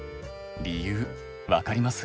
理由分かります？